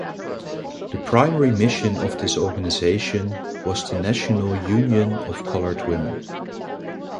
The primary mission of this organization was the national union of colored women.